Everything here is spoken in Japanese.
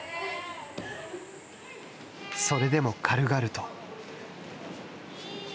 それでも、軽々と。